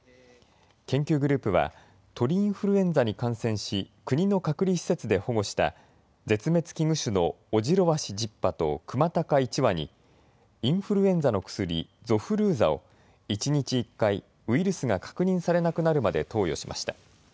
研究グループは鳥インフルエンザに感染し国の隔離施設で保護した絶滅危惧種のオジロワシ１０羽とクマタカ１羽にインフルエンザの薬、ゾフルーザを一日１回ウイルスが確認されなくなるまで投与しました。